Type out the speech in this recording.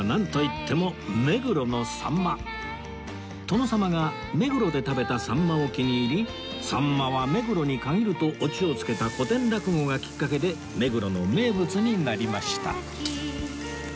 殿様が目黒で食べたさんまを気に入りさんまは目黒に限るとオチを付けた古典落語がきっかけで目黒の名物になりました